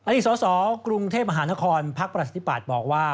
อดีตสอกรุงเทพมหานครพรรษนิปัตย์บอกว่า